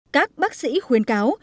các bác sĩ khuyên cáo